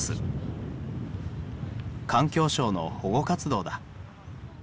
環境省の保護活動だ。